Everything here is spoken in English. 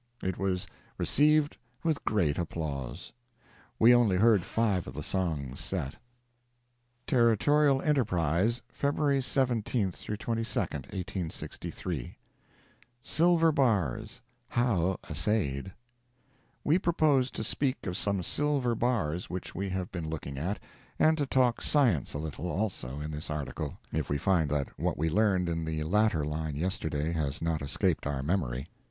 It was received with great applause. We only heard five of the songs set... Territorial Enterprise, February 17 22, 1863 SILVER BARS—HOW ASSAYED We propose to speak of some silver bars which we have been looking at, and to talk science a little, also, in this article, if we find that what we learned in the latter line yesterday has not escaped our memory.